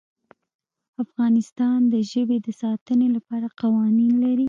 افغانستان د ژبې د ساتنې لپاره قوانین لري.